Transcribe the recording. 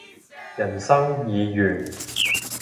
人生已完